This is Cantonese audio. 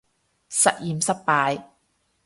實驗失敗